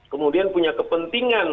kemudian punya kepentingan